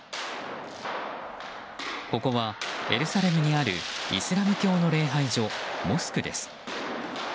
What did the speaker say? ここはエルサレムにあるイスラム教の礼拝所モスクです。